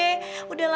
kejap maksudnya apa